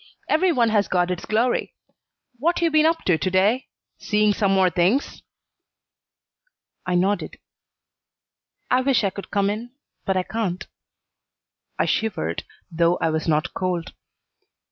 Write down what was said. Every one has got its glory. What you been up to to day? Seeing some more things?" I nodded. "I wish I could come in, but I can't." I shivered, though I was not cold.